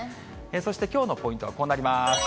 そしてきょうのポイントはこうなります。